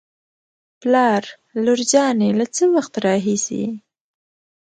پلار : لور جانې له څه وخت راهېسې